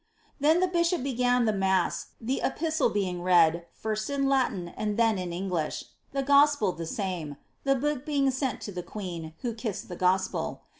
Then the bishop began the mass, the epistle being read, first in Latin and then in English, the gospel the same — the book being sent to the queen, who kissed the gospel.